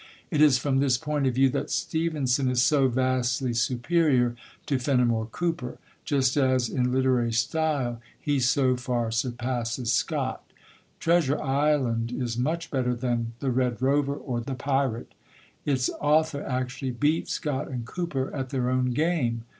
It is from this point of view that Stevenson is so vastly superior to Fenimore Cooper; just as in literary style he so far surpasses Scott. Treasure Island is much better than The Red Rover or The Pirate; its author actually beat Scott and Cooper at their own game.